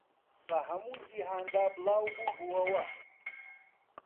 بە هەموو جیهاندا بڵاو بووبووەوە